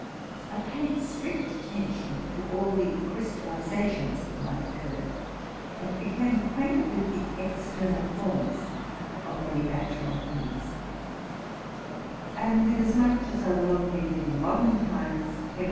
I paid strict attention to all the crystallizations that might occur, and became ac. quainted with the external forms of many natural things : 285 TRUTH AND FICTION and, inasmuch as I well knew that in modern times chemica!